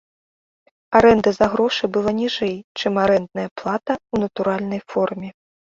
Арэнда за грошы была ніжэй, чым арэндная плата ў натуральнай форме.